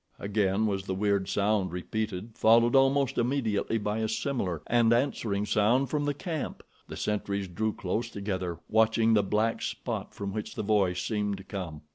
Again was the weird sound repeated, followed almost immediately by a similar and answering sound from the camp. The sentries drew close together, watching the black spot from which the voice seemed to come.